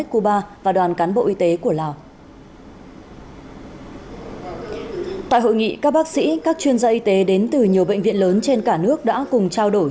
các bác sĩ các chuyên gia y tế đến từ nhiều bệnh viện lớn trên cả nước đã cùng trao đổi